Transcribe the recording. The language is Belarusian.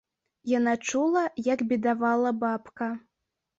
Яна чула, як бедавала бабка.